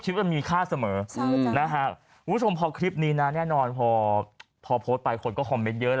ชีวิตมีค่าเสมอคลิปนี้น่าแน่นอนพอโพสต์ไปคนก็คอมเมนต์เยอะ